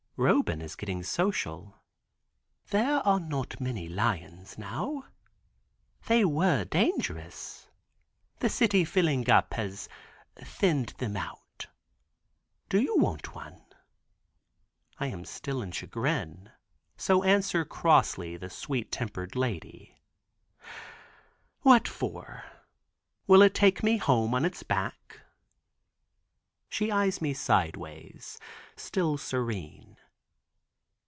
Roban is getting social. "There are not many lions now. They were dangerous; the city filling up has thinned them out. Do you want one?" I am still in chagrin, so answer crossly the sweet tempered lady, "What for? Will it take me home on its back?" She eyes me sideways, still serene.